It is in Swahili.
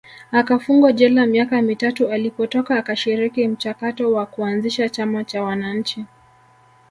akafungwa jela miaka mitatu alipotoka akashiriki mchakato wa kuanzisha chama cha Wananchi